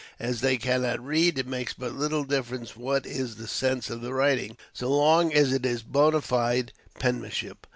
As they cannot read, it makes but little difference what is the sense of the writing so long as it is bonâ fide penmanship.